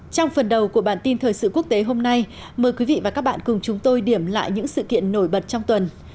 trong phần đầu của bản tin thời sự quốc tế hôm nay mời quý vị và các bạn cùng chúng tôi điểm lại những sự kiện nổi bật trong tuần